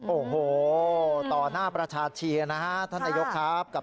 โอ้โหต่อหน้าประชาเชียนะฮะท่านนายกครับ